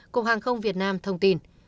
cục hàng không việt nam thông tin